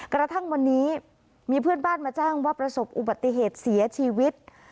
กระทั่งวันนี้มีเพื่อนบ้านมาแจ้งว่าประสบอุบัติเหตุเสียชีวิต